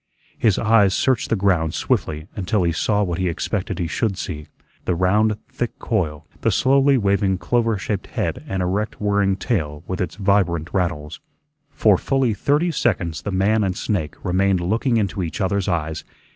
His eyes searched the ground swiftly until he saw what he expected he should see the round thick coil, the slowly waving clover shaped head and erect whirring tail with its vibrant rattles. For fully thirty seconds the man and snake remained looking into each other's eyes.